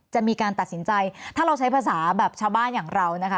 จะมีการตัดสินใจถ้าเราใช้ภาษาแบบชาวบ้านอย่างเรานะคะ